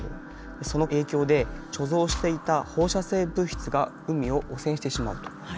その影響で貯蔵していた放射性物質が海を汚染してしまうと。